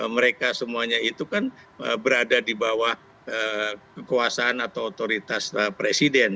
mereka semuanya itu kan berada di bawah kekuasaan atau otoritas presiden